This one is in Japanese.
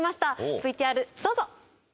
ＶＴＲ、どうぞ！